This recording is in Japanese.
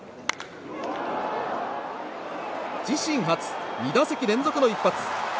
自身初、２打席連続の一発。